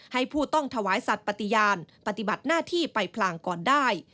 ให้ผู้ต้องถวายสัตว์ปฏิญาณปฏิบัติหน้าที่ไปพลางก่อนได้